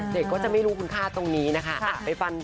เด็กก็จะไม่รู้คุณค่าตรงนี้นะคะ